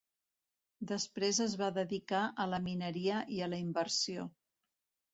Després es va dedicar a la mineria i a la inversió.